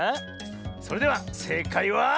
それではせいかいは。